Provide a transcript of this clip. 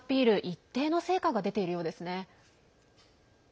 一定の成果が出ているようですね。